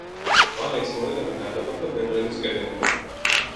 მალე ეს მოედანი გადაკვეთა ბერლინის კედელმა.